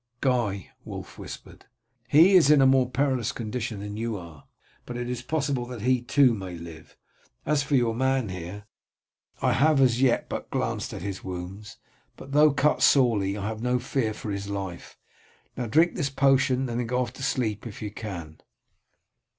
"Guy?" Wulf whispered. "He is in a more perilous condition than you are, but it is possible that he too may live. As for your man here, I have as yet but glanced at his wounds; but though cut sorely, I have no fear for his life. Now drink this potion, and then go off to sleep if you can."